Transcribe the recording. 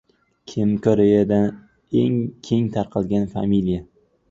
Kim — Koreyada eng keng tarqalgan familiya.